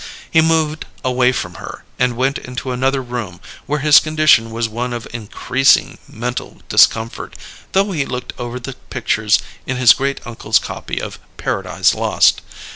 He moved away from her, and went into another room where his condition was one of increasing mental discomfort, though he looked over the pictures in his great uncle's copy of "Paradise Lost."